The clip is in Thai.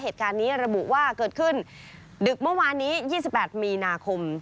เหตุการณ์นี้ระบุว่าเกิดขึ้นดึกเมื่อวานนี้๒๘มีนาคม